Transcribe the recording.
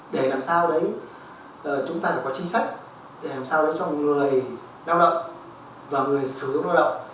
để làm sao để chúng ta có chính sách để làm sao để cho người lao động và người sử dụng lao động